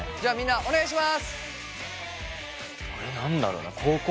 お願いします！